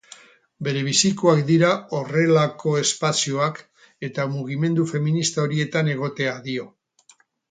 Berebizikoak dira horrelako espazioak, eta mugimendu feminista horietan egotea, dio.